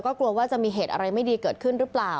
ก็กลัวว่าจะมีเหตุอะไรไม่ดีเกิดขึ้นหรือเปล่า